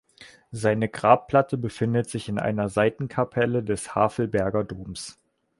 Seine Grabplatte befindet sich in einer Seitenkapelle des Havelberger Doms.